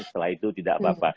setelah itu tidak apa apa